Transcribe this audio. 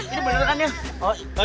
ini beneran ya